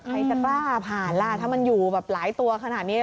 ใครจะกล้าผ่านล่ะถ้ามันอยู่แบบหลายตัวขนาดนี้